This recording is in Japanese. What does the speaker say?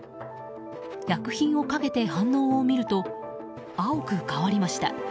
薬品をかけて反応を見ると青く変わりました。